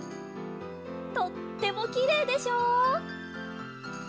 とってもきれいでしょ？